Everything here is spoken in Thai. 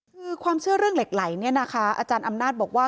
คือความเชื่อเรื่องเหล็กไหลเนี่ยนะคะอาจารย์อำนาจบอกว่า